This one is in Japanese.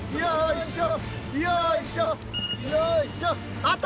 よいしょ。